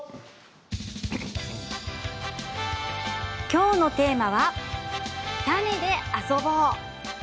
今日のテーマは種で遊ぼう。